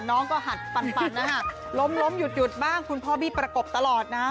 น้องก็หัดปั่นนะฮะล้มล้มหยุดบ้างคุณพ่อบี้ประกบตลอดนะฮะ